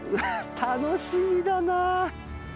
楽しみだなあ。